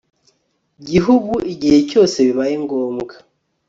gihugu igihe cyose bibaye ngombwa